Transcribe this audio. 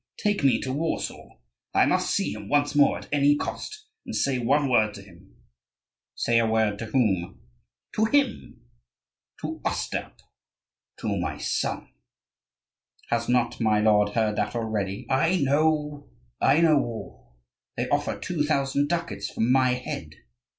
Take me to Warsaw. I must see him once more at any cost, and say one word to him." "Say a word to whom?" "To him to Ostap to my son." "Has not my lord heard that already " "I know, I know all. They offer two thousand ducats for my head.